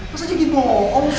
masa jadi bohong sih